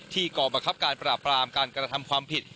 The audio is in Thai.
กองบังคับการปราบรามการกระทำความผิด